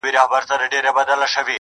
نه ماتېږي مي هیڅ تنده بې له جامه,